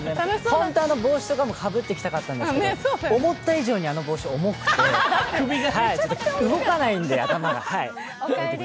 本当はあの帽子とかもかぶってきたかったんですけど、思った以上にあの帽子重くて頭が、首が動かないんで、はい。